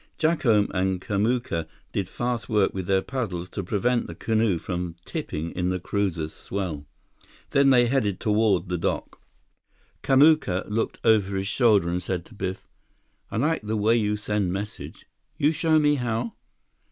Jacome and Kamuka did fast work with their paddles to prevent the canoe from tipping in the cruiser's swell. Then they headed toward the dock. Kamuka looked over his shoulder and said to Biff, "I like the way you send message. You show me how?"